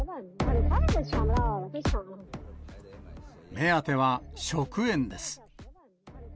目当ては食塩です。